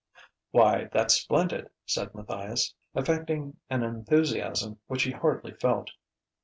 "Why, that's splendid!" said Matthias, affecting an enthusiasm which he hardly felt.